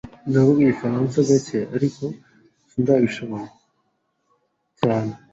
Ndavuga Igifaransa gake, ariko sindabishoboye cyane.